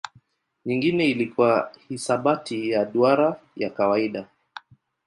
Nyingine ilikuwa hisabati ya duara ya kawaida.